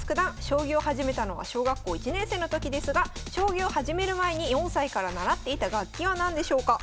将棋を始めたのは小学校１年生の時ですが将棋を始める前に４歳から習っていた楽器は何でしょうか？